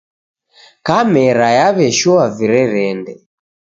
Kamera yaw'eshoa virerende.